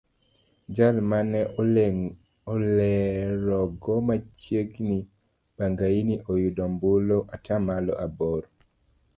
Jal mane olerogo machiegni Bangaini oyudo ombulu atamalo aboro.